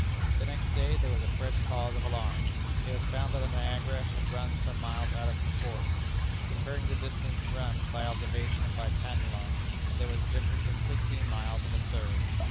The next day there was a fresh cause of alarm. It was found that the Niagara had run some miles out of her course. Comparing the distance run by observation and by patent log, there was a difference of sixteen miles and a third.